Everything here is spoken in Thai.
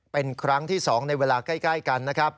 เป็นครั้งที่๒ในเวลาใกล้กันนะครับ